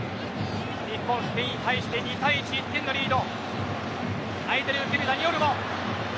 日本、スペインに対して２対１１点のリード。